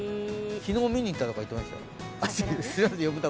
昨日、見に行ったとか言ってましたよ。